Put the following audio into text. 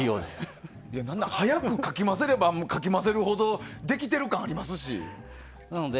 何なら早くかき混ぜればかき混ぜるほどできてる感ありますし。